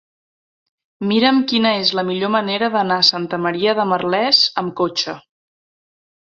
Mira'm quina és la millor manera d'anar a Santa Maria de Merlès amb cotxe.